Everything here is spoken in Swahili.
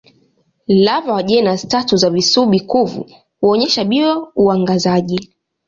Lava wa jenasi tatu za visubi-kuvu huonyesha bio-uangazaji.